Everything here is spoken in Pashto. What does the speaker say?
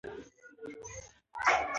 د منصبونو څخه د عزل فرمانونه صادر کړي ؤ